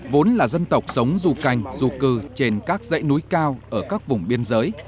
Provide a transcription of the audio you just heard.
vốn là dân tộc sống du canh du cư trên các dãy núi cao ở các vùng biên giới